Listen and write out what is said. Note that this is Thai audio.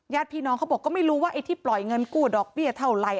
พี่น้องเขาบอกก็ไม่รู้ว่าไอ้ที่ปล่อยเงินกู้ดอกเบี้ยเท่าไหร่